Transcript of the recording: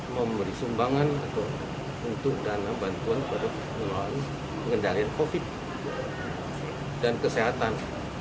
memberi sumbangan untuk dana bantuan untuk mengendalikan covid sembilan belas dan kesehatan